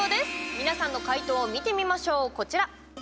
皆さんの解答を見てみましょう。